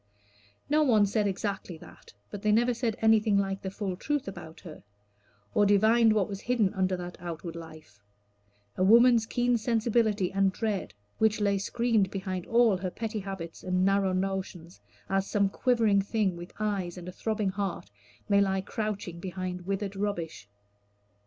No one said exactly that; but they never said anything like the full truth about her, or divined what was hidden under that outward life a woman's keen sensibility and dread, which lay screened behind all her petty habits and narrow notions, as some quivering thing with eyes and throbbing heart may lie crouching behind withered rubbish.